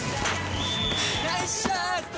ナイスシュート！